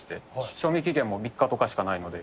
賞味期限も３日とかしかないので。